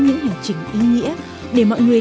những hành trình ý nghĩa để mọi người